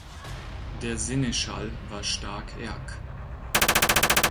Der Seneschall war stark erk